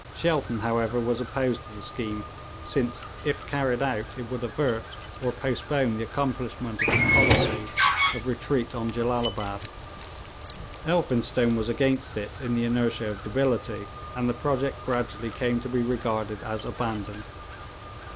Shelton, however, was opposed to the scheme, since if carried out it would avert or postpone the accomplishment of his policy of retreat on Jellalabad; Elphinstone was against it in the inertia of debility, and the project gradually came to be regarded as abandoned.